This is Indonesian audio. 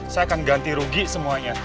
saya akan ganti rugi semuanya